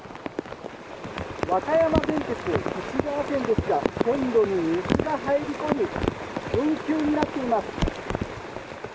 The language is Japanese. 和歌山電鐵貴志川線ですが線路に水が入り込んで運休になっています。